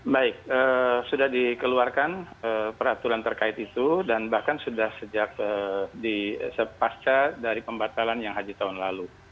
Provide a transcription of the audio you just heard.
baik sudah dikeluarkan peraturan terkait itu dan bahkan sudah sejak di sepasca dari pembatalan yang haji tahun lalu